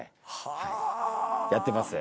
はいやってます。